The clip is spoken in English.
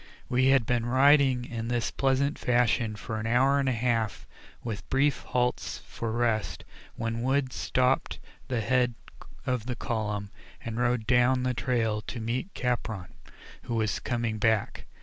We had been riding in this pleasant fashion for an hour and a half with brief halts for rest, when Wood stopped the head of the column, and rode down the trail to meet Capron, who was coming back.